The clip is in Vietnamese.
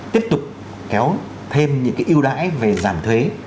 tiếp tục kéo thêm những cái ưu đãi về giảm thuế